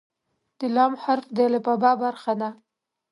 د "ل" حرف د الفبا برخه ده.